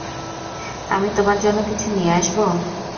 আমি তোমার জন্য কিছু নিয়ে আসবো?